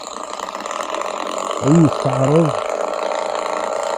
Ad iyi-tt-yeɛṛeḍ?